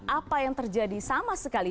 apa yang terjadi sama sekali